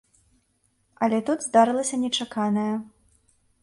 Але тут здарылася нечаканае.